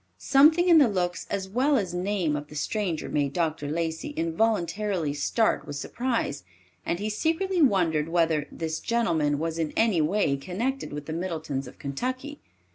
Something in the looks as well as name of the stranger made Dr. Lacey involuntarily start with surprise, and he secretly wondered whether; this gentleman was in any way connected with the Middletons of Kentucky.